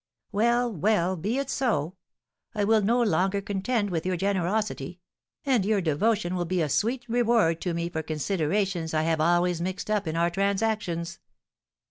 "Well, well; be it so. I will no longer contend with your generosity; and your devotion will be a sweet reward to me for considerations I have always mixed up in our transactions."